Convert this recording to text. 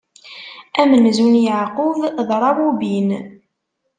Amenzu n Yeɛqub, d Rawubin.